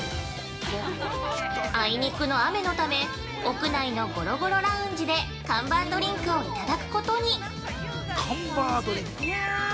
あいにくの雨のため屋内のごろごろラウンジで看板ドリンクをいただくことに。